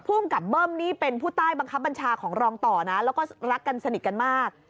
ภูมิกับเบิ้มนี่เป็นผู้ใต้บังคับบัญชาของรองต่อนะแล้วก็รักกันสนิทกันมาก